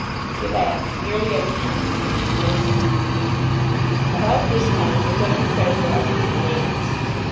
She laughed nearly every time his name was mentioned. About this time the Gunton Cresswells gave a dance.